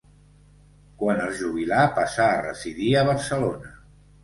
Quan es jubilà passà a residir a Barcelona.